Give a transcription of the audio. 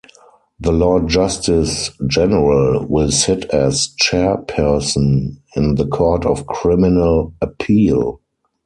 The Lord Justice General will sit as chairperson in the Court of Criminal Appeal.